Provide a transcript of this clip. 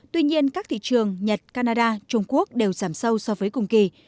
tuy nhiên các thị trường nhật canada trung quốc đều giảm sâu so với cùng kỳ